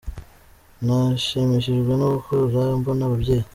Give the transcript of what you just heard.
Nahsimishijwe no gukura mbona ababyeyi.